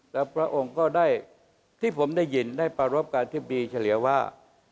แล้วพระองค์ก็ได้ที่ผมได้ยินได้ประรบการอธิบดีเฉลี่ยว่า